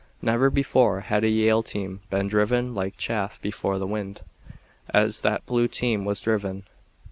Never before had a Yale team been driven like chaff before the wind, as that blue team was driven.